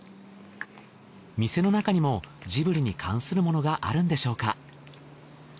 店の中にもジブリに関するものがあるんでしょうか？